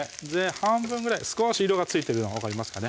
半分ぐらい少し色がついてるの分かりますかね